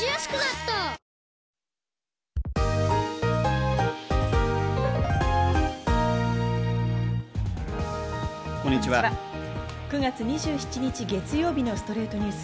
９月２７日、月曜日の『ストレイトニュース』。